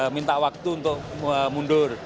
minta waktu untuk mundur